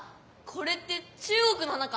これって中国の花か？